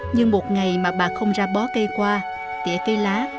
nhưng một ngày mà bà không ra bó cây qua tỉa cây lá